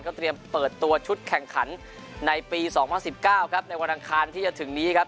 เตรียมเปิดตัวชุดแข่งขันในปี๒๐๑๙ครับในวันอังคารที่จะถึงนี้ครับ